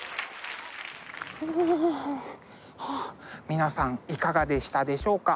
皆さんいかがでしたでしょうか？